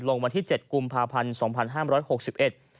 วันที่เจ็ดกุมภาพันธ์สองพันห้ามร้อยหกสิบเอ็ด